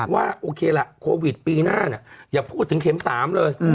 ว่าโอเคล่ะโควิดปีหน้าอย่าพูดถึงเข็ม๓เลย